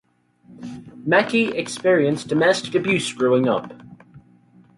Mekki experienced domestic abuse growing up.